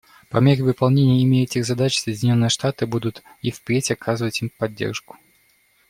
По мере выполнения ими этих задач Соединенные Штаты будут и впредь оказывать им поддержку.